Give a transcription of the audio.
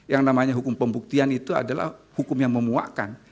yang namanya hukum pembuktian itu adalah hukum yang memuakkan